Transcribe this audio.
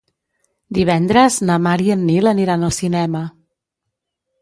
Divendres na Mar i en Nil aniran al cinema.